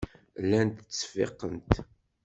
Llant ttseffiqent.